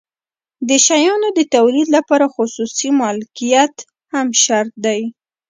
د شیانو د تولید لپاره خصوصي مالکیت هم شرط دی.